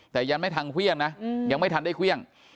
แต่ยังไม่ทันเครื่องนะยังไม่ทันได้เครื่อง